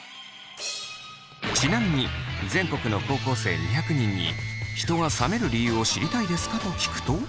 ちなみに全国の高校生２００人に「人が冷める理由を知りたいですか？」と聞くと。